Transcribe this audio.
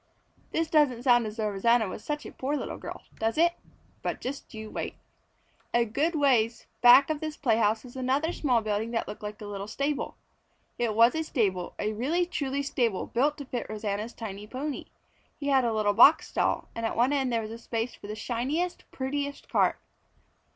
This doesn't sound as though Rosanna was such a poor little girl, does it? But just you wait. A good ways back of this playhouse was another small building that looked like a little stable. It was a stable a really truly stable built to fit Rosanna's tiny pony. He had a little box stall, and at one side there was space for the shiniest, prettiest cart.